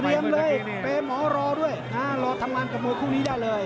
เตรียมเลยเตรียมหอรอด้วยอ่ารอทำลังกับมวยคู่นี้ได้เลย